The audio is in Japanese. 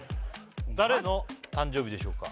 誰の誕生日でしょうか？